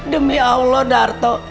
demi allah darto